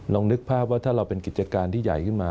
นึกภาพว่าถ้าเราเป็นกิจการที่ใหญ่ขึ้นมา